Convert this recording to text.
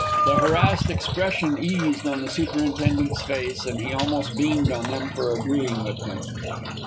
The harassed expression eased on the superintendent's face, and he almost beamed on them for agreeing with him.